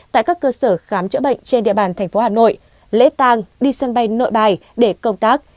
tại các cơ sở khám chữa bệnh trên địa bàn thành phố hà nội lễ tang đi sân bay nội bài để công tác